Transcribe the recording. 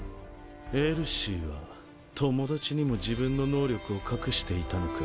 エルシーは友達にも自分の能力を隠していたのか。